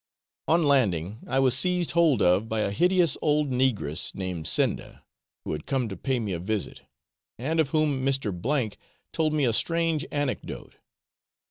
On landing, I was seized hold of by a hideous old negress, named Sinda, who had come to pay me a visit, and of whom Mr. told me a strange anecdote.